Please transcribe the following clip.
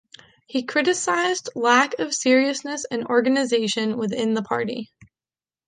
He criticised lack of seriousness and organisation within the party.